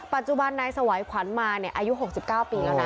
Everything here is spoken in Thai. ปัจจุบันนายสวัยขวัญมาอายุ๖๙ปีแล้วนะ